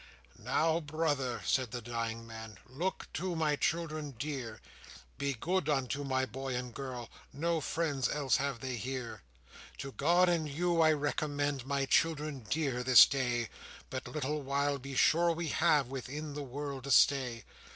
"Now, brother," said the dying man, "Look to my children dear; Be good unto my boy and girl, No friends else have they here; To God and you I recommend My children dear this day; But little while be sure we have Within this world to stay.